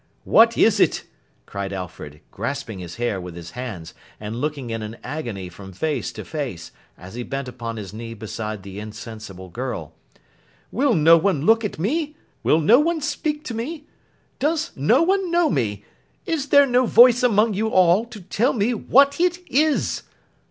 'What is it!' cried Alfred, grasping his hair with his hands, and looking in an agony from face to face, as he bent upon his knee beside the insensible girl. 'Will no one look at me? Will no one speak to me? Does no one know me? Is there no voice among you all, to tell me what it is!